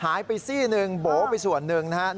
หายไปซี่หนึ่งโบ๋ไปส่วนหนึ่ง